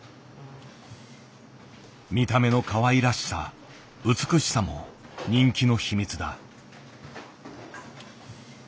見た目のかわいらしさ美しさも人気の秘密だ。